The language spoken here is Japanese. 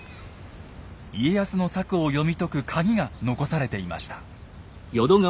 家康の策を読み解くカギが残されていました。